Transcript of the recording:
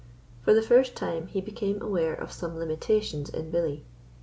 For the first time he became aware of some limitations in Billy.